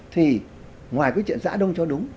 thì ngoài cái chuyện giã đông cho đúng